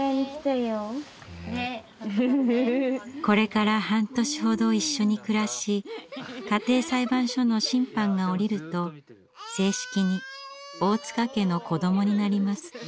これから半年ほど一緒に暮らし家庭裁判所の審判が下りると正式に大塚家の子どもになります。